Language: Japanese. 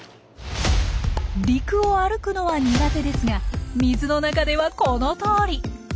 陸を歩くのは苦手ですが水の中ではこのとおり。